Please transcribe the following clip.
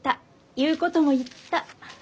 言うことも言った。